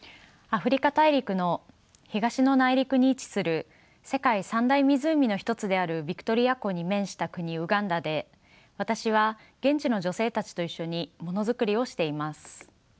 アフリカ大陸の東の内陸に位置する世界三大湖の一つであるヴィクトリア湖に面した国ウガンダで私は現地の女性たちと一緒にものづくりをしています。